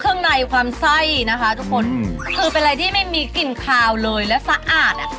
เครื่องในความไส้นะคะทุกคนคือเป็นอะไรที่ไม่มีกลิ่นคาวเลยและสะอาดอ่ะ